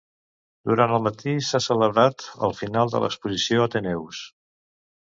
Durant el matí s'ha celebrat el final de l'exposició Ateneus.